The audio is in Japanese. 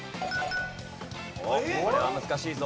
おっこれは難しいぞ。